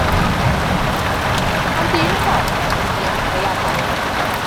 Dim ond un ffordd sydd i ddianc o'i afael